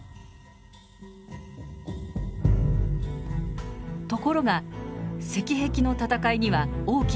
ところが赤壁の戦いには大きな謎があります。